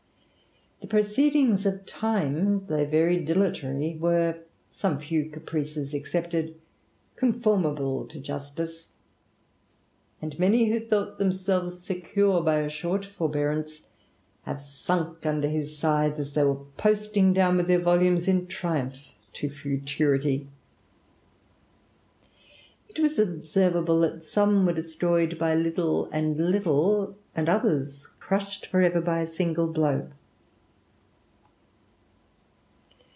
The proceedings of Time, though very dilatory, were, •wae few caprices excepted, conformable W \'as\iw, aiA It THE RAMBLER. many who thought themselves secure by a short forbear ance, have sunk under his scythe, as they were posting down with their volumes in triumph to futurity. It was observable that some were destroyed by little and little, and others crushed for ever by a single blow.